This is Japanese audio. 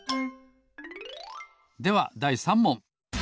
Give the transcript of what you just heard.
ではだい３もん。